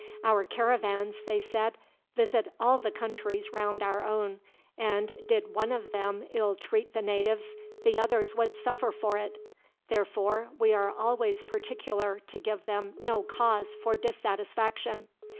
"Our caravans," they said, "visit all the countries round our own, and did one of them ill treat the natives, the others would suffer for it. Therefore, we are always particular to give them no cause for dissatisfaction.